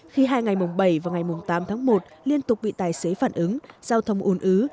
khi hai ngày mùng bảy và ngày mùng tám tháng một liên tục bị tài xế phản ứng giao thông ồn ứ